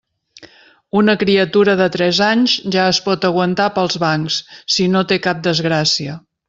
Una criatura de tres anys ja es pot aguantar pels bancs, si no té cap desgràcia.